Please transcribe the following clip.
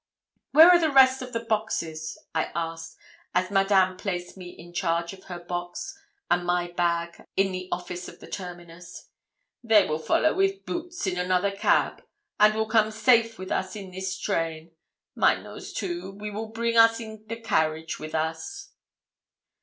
'Where are the rest of the boxes?' I asked, as Madame placed me in charge of her box and my bag in the office of the terminus. 'They will follow with Boots in another cab, and will come safe with us in this train. Mind those two, we weel bring in the carriage with us.'